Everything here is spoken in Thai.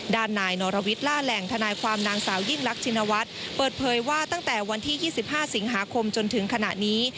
ด้านนายนรวิทย์ล่าแหล่งทนายความนางสาวยิ่งรักชินวัฒน์เปิดเผยว่าตั้งแต่วันที่๒๕สิงหาคมจนถึงขณะนี้